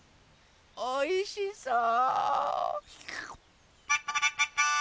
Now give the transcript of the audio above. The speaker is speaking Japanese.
おいしそう！